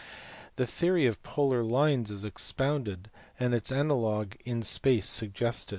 The theory of polar lines is expounded, and its analogue in space suggested.